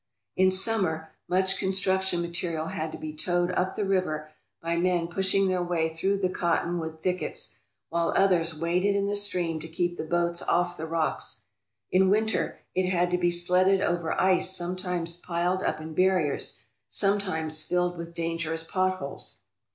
In summer much construction material had to be towed up the river by men pushing their way through the cottonwood thickets, while others waded in the stream to keep the boats off the rocks. In winter it had to be sledded over ice sometimes piled up in barriers, sometimes filled with dangerous pot holes.